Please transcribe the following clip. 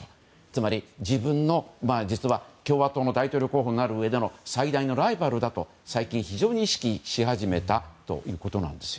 つまり自分の共和党の大統領候補になるうえでの最大のライバルだと最近非常に意識し始めたということです。